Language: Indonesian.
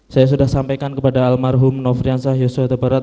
saya sudah sampaikan kepada almarhum nofriansah yosua tebarat